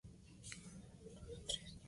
Ramírez entró exclusivamente para los penales.